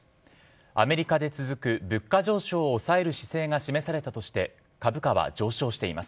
アメリカで続く物価上昇を抑える姿勢が示されたとして株価は上昇しています。